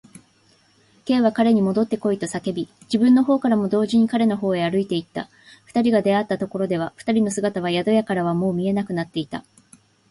Ｋ は彼にもどってこいと叫び、自分のほうからも同時に彼のほうへ歩いていった。二人が出会ったところでは、二人の姿は宿屋からはもう見えなくなっていた。